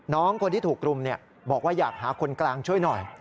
น้องคนที่ถูกรุมบอกว่าอยากหาคนกลางช่วยหน่อย